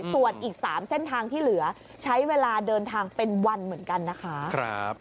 ส่วนอีก๓เส้นทางที่เหลือใช้เวลาเดินทางเป็นวันเหมือนกันนะคะ